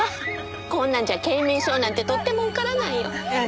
こんなんじゃ慶明小なんてとっても受からないよ。